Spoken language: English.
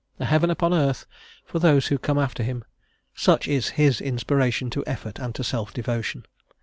A heaven upon earth for those who come after him, such is his inspiration to effort and to self devotion.